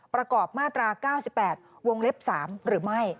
ประกอบมาตรา๙๘วงเล็บ๓หรือไม่